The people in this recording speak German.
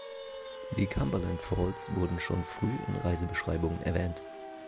Die Cumberland Falls werden schon früh in Reisebeschreibungen erwähnt.